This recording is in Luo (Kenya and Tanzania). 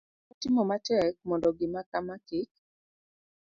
abiro timo matek mondo gimakama kik